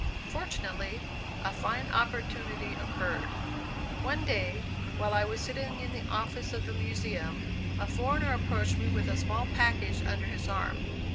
Fortunately, a fine opportunity occurred. One day, while I was sitting in the office of the Museum, a foreigner approached me with a small package under his arm.